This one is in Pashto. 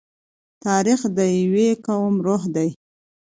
تاریخ د یوه قوم روح دی.